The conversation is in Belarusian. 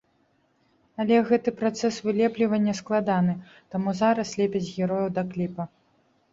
Але гэты працэс вылеплівання складаны, таму зараз лепяць герояў да кліпа.